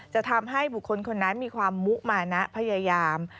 จะทำให้บุคคลคนนั้นมีความมุมานะพยายาม